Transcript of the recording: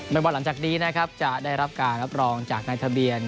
ว่าหลังจากนี้นะครับจะได้รับการรับรองจากในทะเบียน